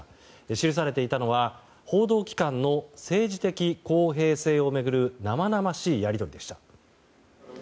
記されていたのは報道機関の政治的公平性を巡る生々しいやり取りでした。